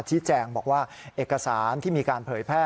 ชี้แจงบอกว่าเอกสารที่มีการเผยแพร่